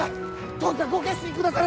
どうかご決意くだされ！